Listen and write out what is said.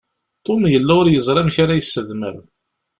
Tom yella ur yeẓri amek ara isedmer.